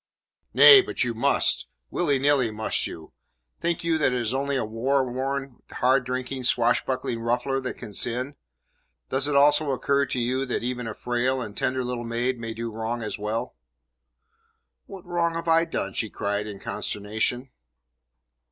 "Nay, but you must. Willy nilly must you. Think you it is only a war worn, hard drinking, swashbuckling ruffler that can sin? Does it not also occur to you that even a frail and tender little maid may do wrong as well?" "What wrong have I done?" she cried in consternation.